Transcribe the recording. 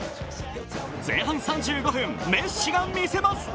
前半３５分、メッシが見せます。